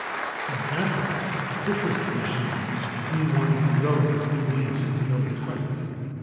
In Athens a different régime was meanwhile developing Hellenes of another type.